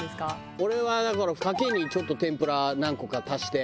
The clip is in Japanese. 俺はだからかけにちょっと天ぷら何個か足して。